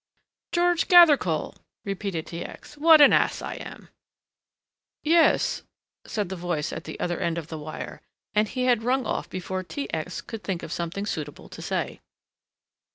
"George Gathercole!" repeated T. X. "What an ass I am." "Yes," said the voice at the other end the wire, and he had rung off before T. X. could think of something suitable to say.